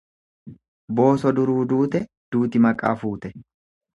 Booso duruu duute duuti maqaa fuute.